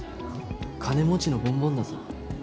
金持ちのボンボンだぞ。